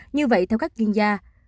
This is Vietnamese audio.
như vậy theo các chuyên gia